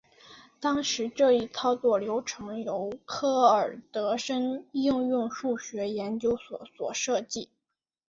当时这一操作流程由克尔德什应用数学研究所所设计。